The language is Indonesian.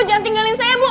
bu jangan tinggalin saya bu